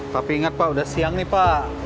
tapi ingat pak udah siang nih pak